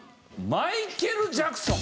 マイケル・ジャクソン。